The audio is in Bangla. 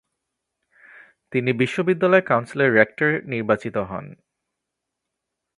তিনি বিশ্ববিদ্যালয় কাউন্সিলের রেক্টর নির্বাচিত হন।